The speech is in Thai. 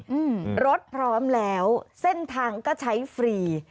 อืมรถพร้อมแล้วเส้นทางก็ใช้ฟรี